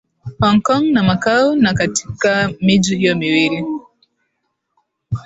Hongkong na Macau na Katika miji hiyo miwili